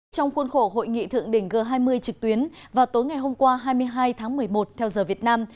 trong khuôn khổ hội nghị thượng đỉnh g hai mươi trực tuyến vào tối ngày hôm qua hai mươi hai tháng một mươi một theo giờ việt nam